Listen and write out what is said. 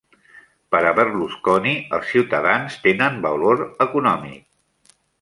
Per a Berlusconi, els ciutadans tenen valor econòmic.